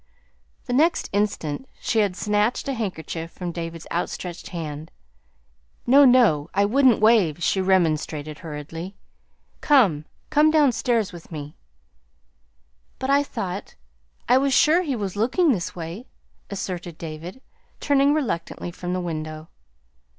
The next instant she had snatched a handkerchief from David's outstretched hand. "No no I wouldn't wave," she remonstrated hurriedly. "Come come downstairs with me." "But I thought I was sure he was looking this way," asserted David, turning reluctantly from the window.